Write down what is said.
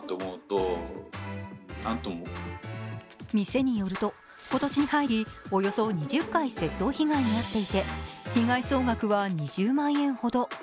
店によると今年に入りおよそ２０回窃盗被害に遭っていて被害総額は２０万円ほど。